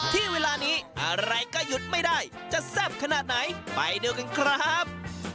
ที่เวลานี้อะไรก็หยุดไม่ได้จะแซ่บขนาดไหนไปดูกันครับ